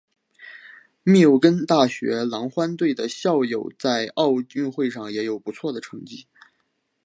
密歇根大学狼獾队的校友在奥运会上也有不错的成绩。